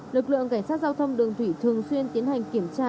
lực lượng cảnh sát giao thông đường thủy thường xuyên tiến hành kiểm tra